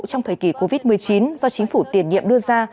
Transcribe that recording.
trong thời kỳ covid một mươi chín do chính phủ tiền nhiệm đưa ra